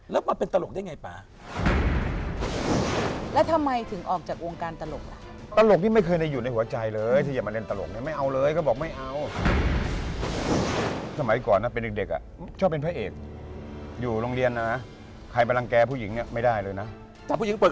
เทพโพงามมันจะง่ายปากอ้าวพูดสิเทพโพงามนั่นไงง่ายไงป่าเดี๋ยวถ้าเกิดเป็นสูตรเทพ